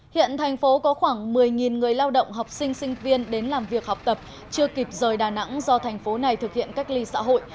hiện thành phố có khoảng một mươi người lao động học sinh sinh viên đến làm việc học tập chưa kịp rời đà nẵng do thành phố này thực hiện cách ly xã hội